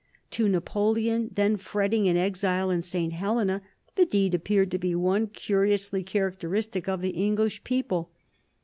To Napoleon, then fretting in exile in St. Helena, the deed appeared to be one curiously characteristic of the English people.